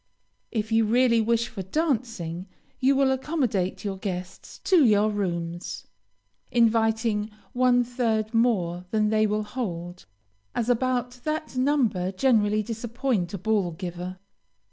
If you really wish for dancing, you will accommodate your guests to your rooms, inviting one third more than they will hold, as about that number generally disappoint a ball giver.